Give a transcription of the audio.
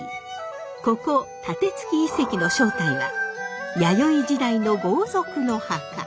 ここ楯築遺跡の正体は弥生時代の豪族の墓。